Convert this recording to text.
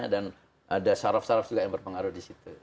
dan ada syaraf syaraf juga yang berpengaruh disitu